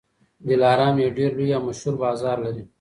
دلارام یو ډېر لوی او مشهور بازار لري.